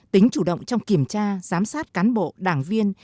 tính chủ động trong kiểm tra giám sát cán bộ đảng viên